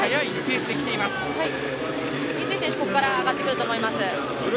三井選手、ここから上がってくると思います。